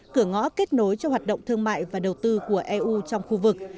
cửa ngõ kết nối cho hoạt động thương mại và đầu tư của eu trong khu vực